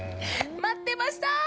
待ってました！